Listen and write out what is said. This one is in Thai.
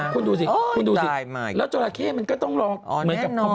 คุณดูสิมาอีกแล้วแล้วจราเข้มันก็ต้องลองอ่อนแน่นอน